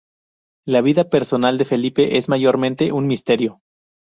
La vida personal de Felipe es mayormente un misterio.